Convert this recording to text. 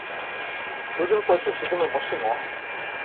Тудын почеш ӱдымӧ машина